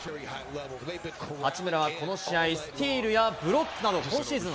八村はこの試合、スティールやブロックなど、今シーズン